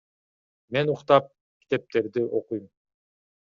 Мен уктап, китептерди окуйм.